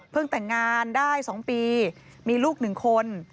แต่งงานได้๒ปีมีลูก๑คน